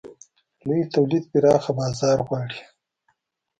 لوی تولید پراخه بازار غواړي.